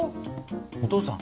お義父さん